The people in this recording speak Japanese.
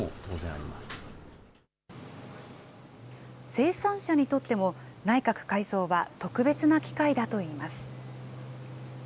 生産者にとっても、内閣改造は特別な機会だといいます。